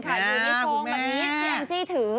อยู่ในโทงแบบนี้แองจี้ถือ